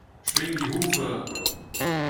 Schwing die Hufe!